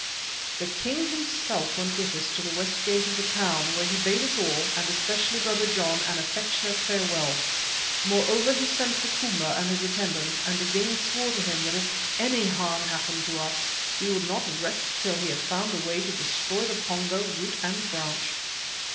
The king himself went with us to the west gate of the town, where he bade us all, and especially Brother John, an affectionate farewell. Moreover, he sent for Komba and his attendants, and again swore to him that if any harm happened to us, he would not rest till he had found a way to destroy the Pongo, root and branch.